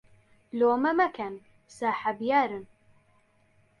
لۆمە مەکەن ساحەب یارن